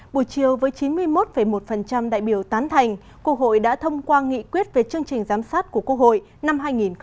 buổi chiều với chín mươi một một đại biểu tán thành quốc hội đã thông qua nghị quyết về chương trình giám sát của quốc hội năm hai nghìn hai mươi